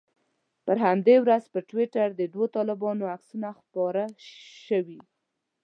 په همدې ورځ پر ټویټر د دوو طالبانو عکسونه خپاره شوي.